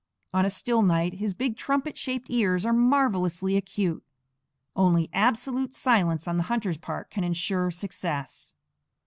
On a still night his big trumpet shaped ears are marvelously acute. Only absolute silence on the hunter's part can insure success.